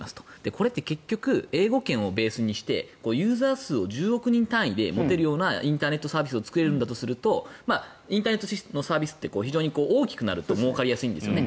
これって英語圏をベースにしてユーザー数を１０億人単位で持てるようなインターネットサービスを作れるんだとするとインターネットサービスって大きくなるともうかりやすいんです。